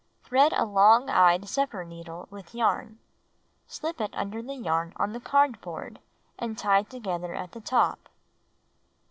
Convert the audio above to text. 3. Thread a long eyed zephyr needle with yarn. Slip it under the yarn on the cardboard and tie it together at the top.